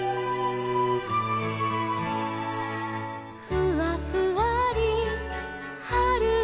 「ふわふわりはるのかぜ」